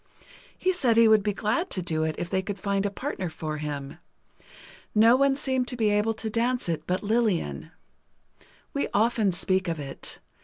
He said he would be glad to do it, if they could find a partner for him. No one seemed to be able to dance it but Lillian. We often speak of it.